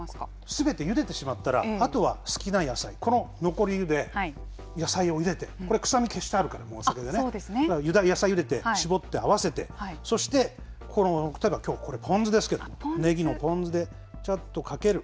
すべてゆでてしまったらあとは好きな野菜この残り湯で野菜をゆでてこれは臭みが消してあるから野菜をゆでて搾って、合わせてそして、例えばきょうこれポン酢ですけどもねぎのポン酢でちゃっとかける。